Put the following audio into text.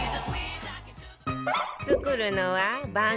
作るのは番組出演